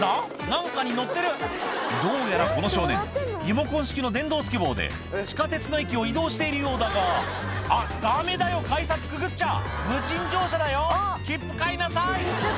何かに乗ってるどうやらこの少年リモコン式の電動スケボーで地下鉄の駅を移動しているようだがあっダメだよ改札くぐっちゃ無賃乗車だよ切符買いなさい！